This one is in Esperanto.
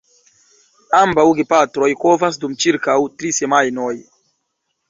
Ambaŭ gepatroj kovas dum ĉirkaŭ tri semajnoj.